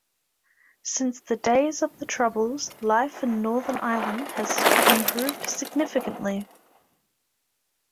Since the days of the Troubles, life in Northern Ireland has improved significantly.